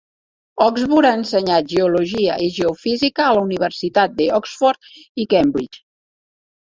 Oxburgh ha ensenyat geologia i geofísica a les universitats d'Oxford i Cambridge.